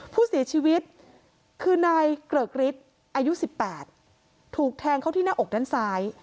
ผู้เสียชีวิตคือนายเกริกฤทธิ์อายุ๑๘ถูกแทงเข้าที่หน้าอกด้านซ้าย